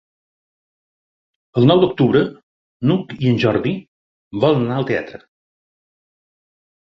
El nou d'octubre n'Hug i en Jordi volen anar al teatre.